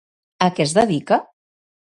A què es dedica?